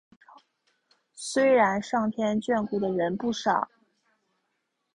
虽然上天眷顾的人不少